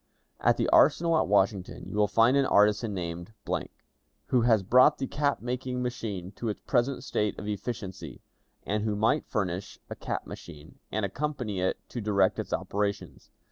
"At the arsenal at Washington you will find an artisan named , who has brought the cap making machine to its present state of efficiency, and who might furnish a cap machine, and accompany it to direct its operations.